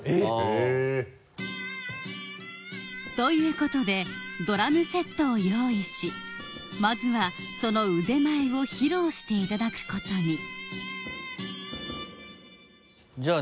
へぇっ。ということでドラムセットを用意しまずはその腕前を披露していただくことにじゃあ